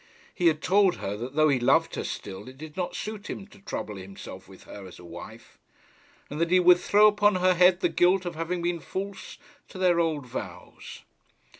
He had told her that though he loved her still, it did not suit him to trouble himself with her as a wife; and that he would throw upon her head the guilt of having been false to their old vows.